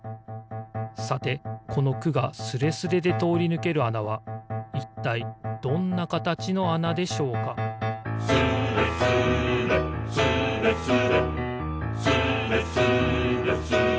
さてこの「く」がスレスレでとおりぬけるあなはいったいどんなかたちのあなでしょうか「スレスレスレスレ」「スレスレスーレスレ」